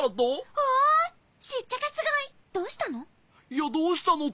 いや「どうしたの？」